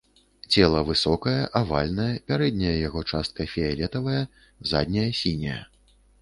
Цела высокае, авальнае, пярэдняя яго частка фіялетавая, задняя сіняя.